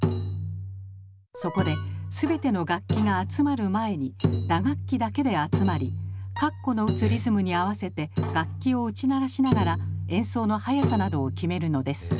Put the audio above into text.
そこで全ての楽器が集まる前に打楽器だけで集まり鞨鼓の打つリズムに合わせて楽器を打ち鳴らしながら演奏の速さなどを決めるのです。